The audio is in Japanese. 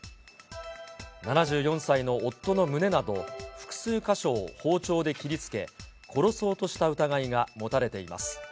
７４歳の夫の胸など複数箇所を包丁で切りつけ、殺そうとした疑いが持たれています。